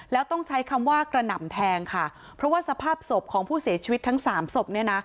แล้วต้องใช้คำว่ากระหน่ำแทงค่ะเพราะว่าสภาพศพของผู้เสียชีวิตทั้งสามศพเนี่ยนะ